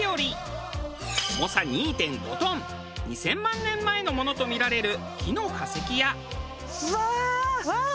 重さ２．５トン２０００万年前のものとみられる木の化石や。